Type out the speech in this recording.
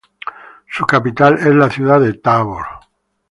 Su capital es la ciudad de Tábor.